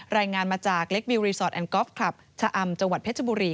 รายงานมาจากเล็กบิวรีสอร์ทแอนกอล์ฟคลับชะอำจังหวัดเพชรบุรี